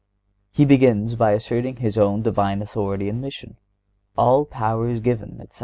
(126) He begins by asserting His own Divine authority and mission. "All power is given," etc.